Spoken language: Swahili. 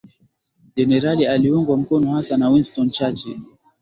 Jenerali aliungwa mkono hasa na Winston Churchill